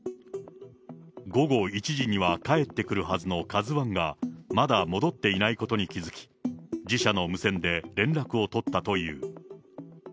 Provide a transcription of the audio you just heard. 午後１時には帰ってくるはずのカズワンがまだ戻っていないことに気付き、自社の無線で連絡を取ったという。